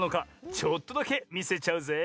ちょっとだけみせちゃうぜい！